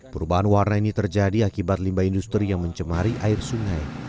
perubahan warna ini terjadi akibat limbah industri yang mencemari air sungai